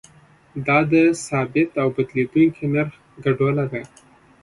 دا د ثابت او بدلیدونکي نرخ ګډوله ده.